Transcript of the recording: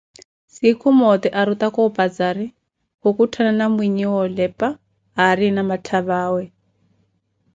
siikhu mote arrutaka opazari khukhuttana mwinhe wa oleepha aarina matthavawe